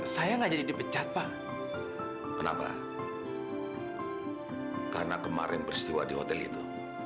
saya nggak jadi dipecat pak kenapa karena kemarin peristiwa di hotel itu